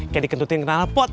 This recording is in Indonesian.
kayak dikendutin kenal pot